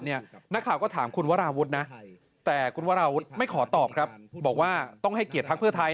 เนี่ยมีแรงข่อก็ถามคุณวราวุธนะแต่ข้อตอบครับบอกว่าต้องให้เคลียดภักร์ผู้ไทยในการ